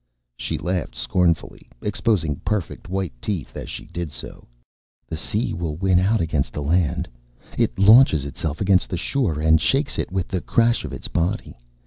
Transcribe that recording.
She laughed scornfully, exposing perfect white teeth as she did so. "The Sea will win out against the Land. It launches itself against the shore and shakes it with the crash of its body.